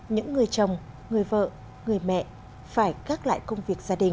những người chồng người vợ người mẹ phải gác lại công việc gia đình